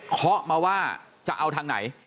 เขามาว่าจะเอาทางไหน